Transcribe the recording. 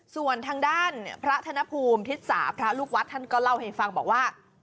ส่วนทางด้านพระธนภูมิทิศษาพระลูกวัดท่านก็เล่าให้ฟังบอกว่า